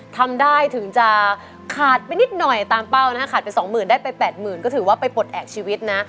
ทำได้ถึงจะขาดไปนิดหน่อยตามเป้านะฮะขาดไปสองหมื่นได้ไป๘๐๐๐ก็ถือว่าไปปลดแอบชีวิตนะ